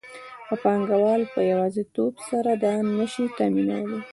یو پانګوال په یوازیتوب سره دا نشي تامینولی